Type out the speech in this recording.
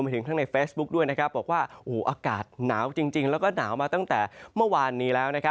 ทั้งสุขสัมพยานกาลาดุชาติ